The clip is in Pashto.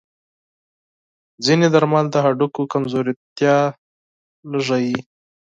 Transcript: ځینې درمل د هډوکو کمزورتیا کموي.